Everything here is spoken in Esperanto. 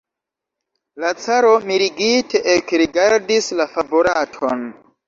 La caro mirigite ekrigardis la favoraton.